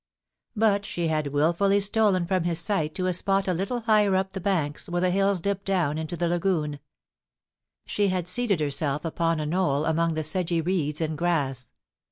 But she had wilfully stolen from his sight to a spot a little higher up the banks, where the hills dipped down into the lagooa She had seated herself upon a knoll among the sedgy reeds and grass.